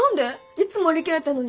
いっつも売り切れてるのに。